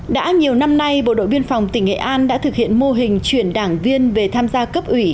đã nhiều năm nay bộ đội biên phòng tỉnh nghệ an đã thực hiện mô hình chuyển đảng viên về tham gia cấp ủy